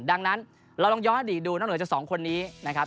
ดังนั้นเราลองย้อนอดีตดูนอกเหนือจากสองคนนี้นะครับ